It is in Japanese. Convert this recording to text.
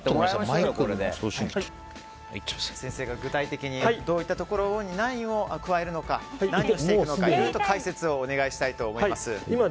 先生が具体的にどういったところに何をしていくのかいろいろと解説をお願いしたいと思います。